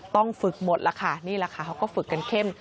ต้องฝึกหมดแล้วค่ะนี่แหละค่ะเขาก็ฝึกกันเข้ม